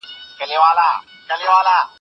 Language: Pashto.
فکرنه کوم چي داسي یار دي هیرسي